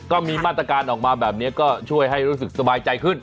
ก็มีมาตรการออกมาแบบนี้ก็ช่วยให้รู้สึกสบายใจขึ้น